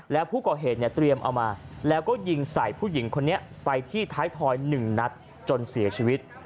แล้วผู้ก่อเหตุเนี่ยเตรียมเอามาแล้วก็ยิงใส่ผู้หญิงคนนี้ไปที่ท้ายทอย๑นัดจนเสียชีวิต